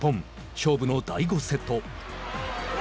勝負の第５セット。